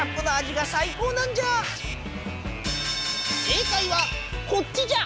正解はこっちじゃ！